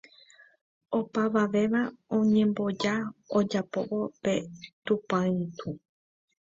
opavavéva oñemboja ojapóvo pe tupãitũ